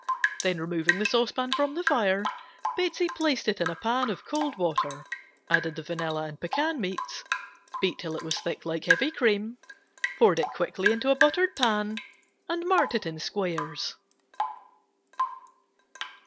Taking the saucepan from the fire, she stood it in a pan of cold water, added the vanilla and almonds, beat till it was thick like heavy cream, poured quickly into a buttered pan and marked in squares.